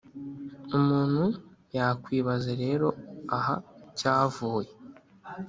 Umuntu yakwibaza rero ah cyavuye